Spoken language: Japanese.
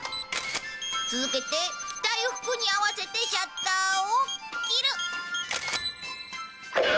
続けて着たい服に合わせてシャッターを切る。